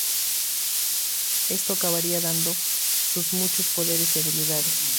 Esto acabaría dando sus muchos poderes y habilidades